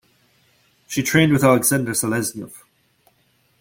She trained with Aleksandr Seleznyov.